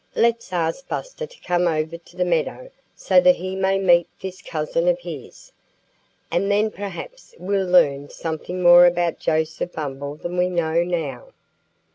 Let's ask Buster to come over to the meadow so that he may meet this cousin of his! And then perhaps we'll learn something more about Joseph Bumble than we know now."